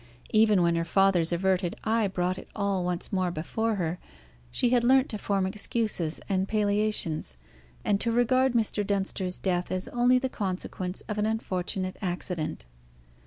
Even when her father's averted eye brought it all once more before her, she had learnt to form excuses and palliations, and to regard Mr. Dunster's death as only the consequence of an unfortunate accident.